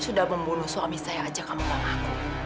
sudah membunuh suami saya ajak kamu sama aku